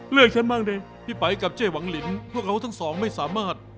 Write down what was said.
ฉันบ้างดิพี่ไปกับเจ๊หวังลินพวกเราทั้งสองไม่สามารถ